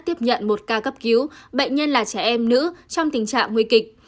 tiếp nhận một ca cấp cứu bệnh nhân là trẻ em nữ trong tình trạng nguy kịch